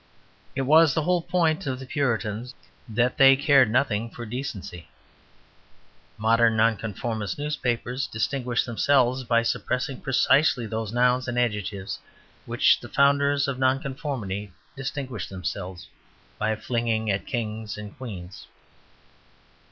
It was the whole point of the Puritans that they cared nothing for decency. Modern Nonconformist newspapers distinguish themselves by suppressing precisely those nouns and adjectives which the founders of Nonconformity distinguished themselves by flinging at kings and queens.